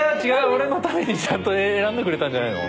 俺のためにちゃんと選んでくれたんじゃないの？